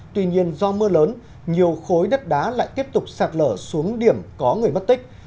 tuy nhiên do mưa lớn nhiều khối đất đá lại tiếp tục sạt lở xuống điểm có người mất tích